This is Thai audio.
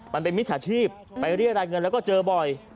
มิจฉาชีพไปเรียรายเงินแล้วก็เจอบ่อย